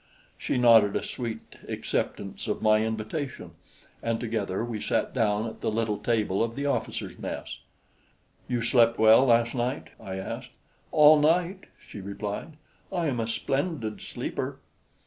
She nodded a sweet acceptance of my invitation, and together we sat down at the little table of the officers' mess. "You slept well last night?" I asked. "All night," she replied. "I am a splendid sleeper."